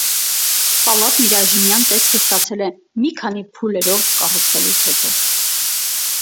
Պալատն իր այժմյան տեսքը ստացել է մի քանի փուլերով կառուցվելուց հետո։